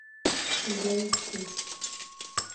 ګررر شو.